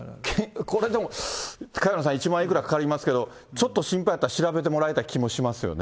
これでも、萱野さん、１万いくらかかりますけど、ちょっと心配だったら、調べてもらいたい気もしますよね。